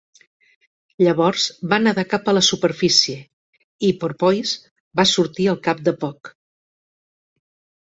Llavors va nedar cap a la superfície, i "Porpoise" va sortir al cap de poc.